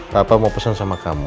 bapak mau pesan sama kamu